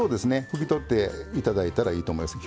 拭き取って頂いたらいいと思います。